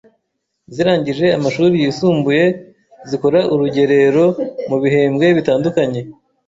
zirangije amashuri yisumbuye zikora urugerero mu bihembwe bitandukanye.